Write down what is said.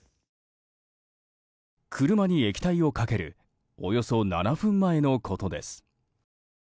車に液体をかけるおよそ７分前のことです。